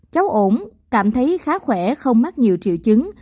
cháu ổn cảm thấy khá khỏe không mắc nhiều triệu chứng